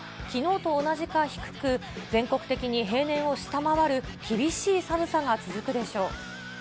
きのうと同じか低く、全国的に平年を下回る厳しい寒さが続くでしょう。